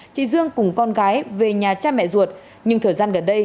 chị dương cùng con gái về nhà cha mẹ ruột nhưng thời gian gần đây